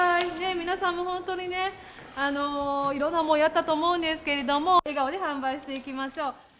皆さんも本当にね、いろんな思いあったと思うんですけれども、笑顔で販売していきま